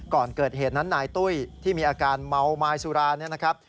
ก่อนเกิดเหตุนั้นนายตุ้ยที่มีอาการเมาไมซุรา